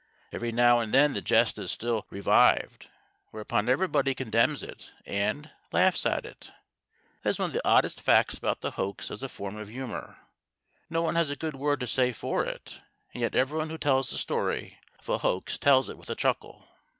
Every now and then the jest is still revived, whereupon everybody condemns it and laughs at it. That is one of the oddest facts about the hoax as a form of humour. No one has a good word to say for it, and yet everyone who tells you the story of a hoax tells it with a chuckle.